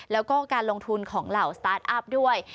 แล้วก็การลงทุนของเหล่าสตาร์ทอัพด้วย